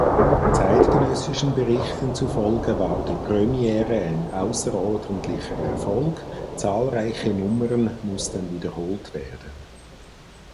Zeitgenössischen Berichten zufolge war die Premiere ein außerordentlicher Erfolg, zahlreiche Nummern mussten wiederholt werden.